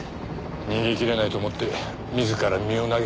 逃げきれないと思って自ら身を投げたか。